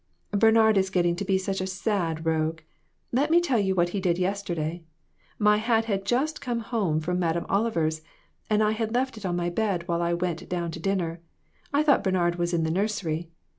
" Bernard is getting to be a sad rogue. Let me tell you what he did yesterday. My hat had just come home from Madame Oliver's, and I had left it on my bed while I went down to dinner. I thought Bernard was in the nursery.